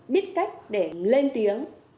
biết cách để lên tiếng